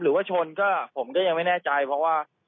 หรือว่าชนก็ผมก็ยังไม่แน่ใจเพราะว่า